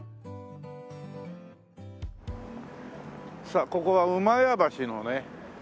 さあここは厩橋のね